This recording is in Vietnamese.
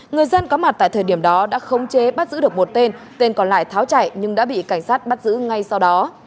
người dân có mặt tại thời điểm đó đã khống chế bắt giữ được một tên tên còn lại tháo chạy nhưng đã bị cảnh sát bắt giữ ngay sau đó